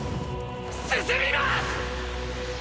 進みます！！